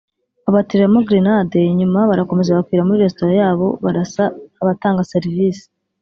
babateramo grenade nyuma barakomeza bakwira muri restaurant yayo barasa abatanga serivisi